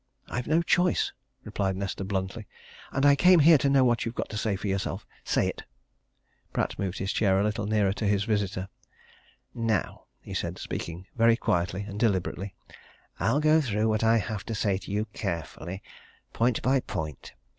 "I've no choice," replied Nesta bluntly. "And I came here to know what you've got to say for yourself. Say it!" Pratt moved his chair a little nearer to his visitor. "Now," he said, speaking very quietly and deliberately, "I'll go through what I have to say to you carefully, point by point.